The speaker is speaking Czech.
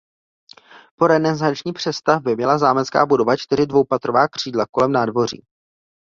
Po renesanční přestavbě měla zámecká budova čtyři dvoupatrová křídla kolem nádvoří.